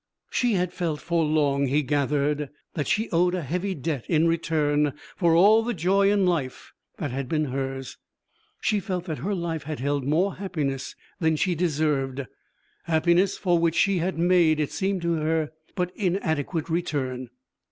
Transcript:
She had felt for long, he gathered, that she owed a heavy debt in return for all the joy in life that had been hers. She felt that her life had held more happiness than she deserved, happiness for which she had made, it seemed to her, but inadequate return.